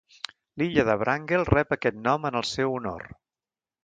L'illa de Wrangel rep aquest nom en el seu honor.